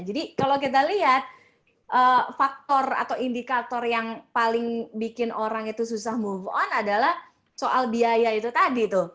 jadi kalau kita lihat faktor atau indikator yang paling bikin orang itu susah move on adalah soal biaya itu tadi tuh